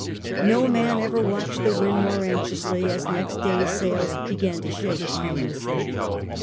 No man ever watched the wind more anxiously as next day sails began to shake ominously.